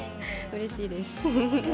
うれしいです。